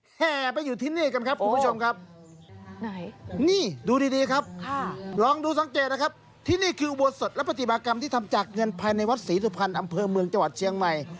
แห่ไปอยู่ที่นี่กันครับคุณผู้ชมครับ